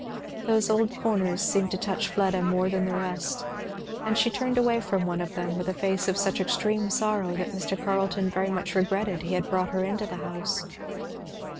Those old corners seemed to touch Fleda more than all the rest; and she turned away from one of them with a face of such extreme sorrow that Mr. Carleton very much regretted he had brought her into the house.